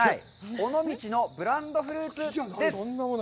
尾道のブランドフルーツ」です。